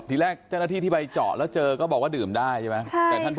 ทีแรกที่ไปเจาะแล้วเจอก็บอกว่าดื่มได้ใช่ไหม